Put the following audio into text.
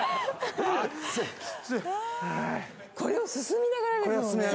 これを進みながらですもんね。